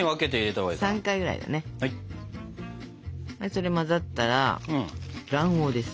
それ混ざったら卵黄です。